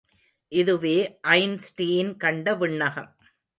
இதுவே ஐன்ஸ்டீன் கண்ட விண்ணகம்.